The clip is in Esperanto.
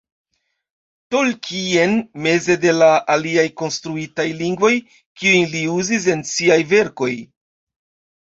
Tolkien meze de la aliaj konstruitaj lingvoj, kiujn li uzis en siaj verkoj.